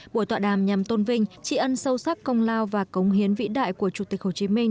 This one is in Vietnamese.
buổi tọa đàm nhằm tôn vinh tri ân sâu sắc công lao và cống hiến vĩ đại của chủ tịch hồ chí minh